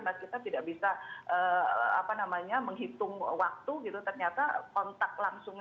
maksudnya tidak bisa apa namanya menghitung waktu gitu ternyata kontak langsungnya